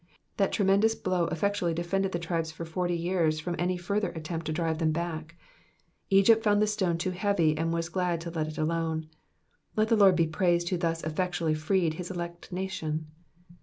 That tremendous blow effectually defended the tribes for forty years from any further attempt to drive them back. Egypt found the stone too heavy and was glad to let it alone. Let the Lord be praised who thus effectually freed his elect nation.